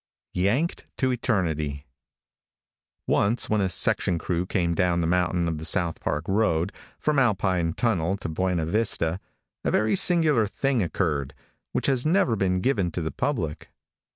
YANKED TO ETERNITY. |ONCE, when a section crew came down the mountain on the South Park road, from Alpine Tunnel to Buena Vista, a very singular thing occurred, which has never been given to the public.